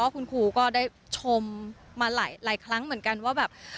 คุณครูก็ได้ชมมาหลายครั้งเหมือนกันว่าแบบ